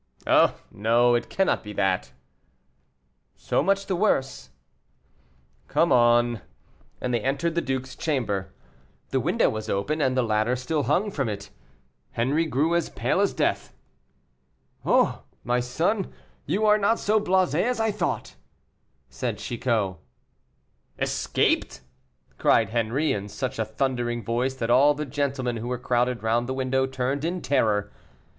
"Oh, no; it cannot be that." "So much the worse." "Come on;" and they entered the duke's chamber. The window was open, and the ladder still hung from it. Henri grew as pale as death. "Oh, my son, you are not so blasé as I thought!" said Chicot. "Escaped!" cried Henri, in such a thundering voice that all the gentlemen who were crowded round the window turned in terror.